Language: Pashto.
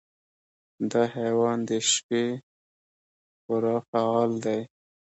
دا حیوان د شپې خورا فعال دی.